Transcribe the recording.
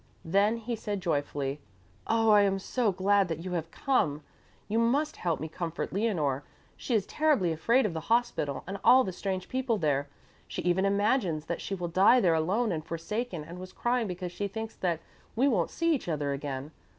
Then he said joyfully: "Oh, I am so glad that you have come; you must help me comfort Leonore. She is terribly afraid of the hospital and all the strange people there. She even imagines that she will die there alone and forsaken and was crying because she thinks that we won't see each other again.